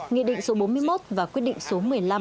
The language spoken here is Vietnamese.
nghị định số bốn mươi một và quyết định số một mươi năm